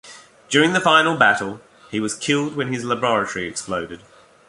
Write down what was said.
During the final battle, he was killed when his laboratory exploded.